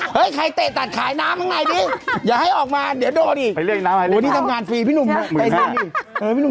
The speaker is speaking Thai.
เตะตัดขายน้ำให้ดิ